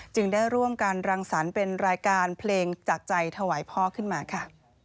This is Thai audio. ได้ร่วมกันรังสรรค์เป็นรายการเพลงจากใจถวายพ่อขึ้นมาค่ะ